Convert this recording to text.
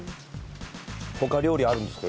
他料理あるんですか？